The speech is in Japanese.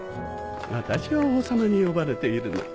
私は王様に呼ばれているの。